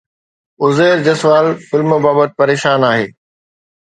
Uzair Jaswal film بابت پريشان آهي